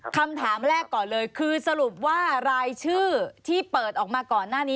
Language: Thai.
คำถามแรกก่อนเลยคือสรุปว่ารายชื่อที่เปิดออกมาก่อนหน้านี้